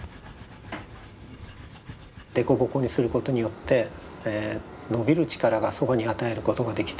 凸凹にすることによってのびる力が蕎麦に与えることができて。